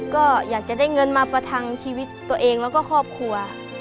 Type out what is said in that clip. ก็อยากจะได้เงินมาประทังชีวิตตัวเองแล้วก็ครอบครัว